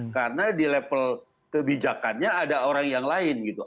karena di level kebijakannya ada orang yang lain gitu